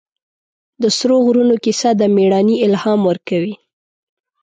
د سرو غرونو کیسه د مېړانې الهام ورکوي.